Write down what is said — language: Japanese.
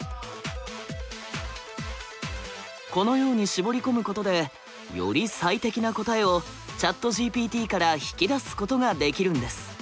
このように絞り込むことでより最適な答えをＣｈａｔＧＰＴから引き出すことができるんです。